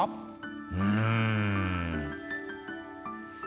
うん。